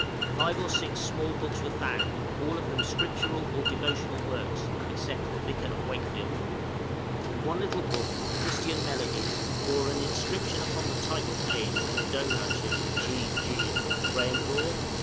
Five or six small books were found, all of them scriptural or devotional works, except the 'Vicar of Wakefield.' One little book, 'Christian Melodies,' bore an inscription upon the title page from the donor to G. G. (Graham Gore?)